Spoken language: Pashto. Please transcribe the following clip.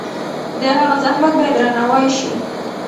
د هغه زحمت باید درناوی شي.